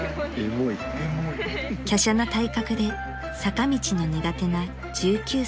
［きゃしゃな体格で坂道の苦手な１９歳］